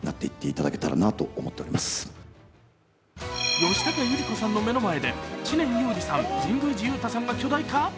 吉高由里子さんの目の前で知念侑李さん、神宮寺勇太さんが巨大化？